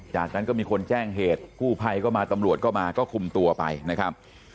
จากนั้นก็มีคนแจ้งเหตุกู้ภัยก็มาตำรวจก็มาก็คุมตัวไปนะครับ